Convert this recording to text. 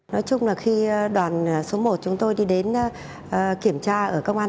nói chung là khi đoàn số một chúng tôi đi đến kiểm tra ở công an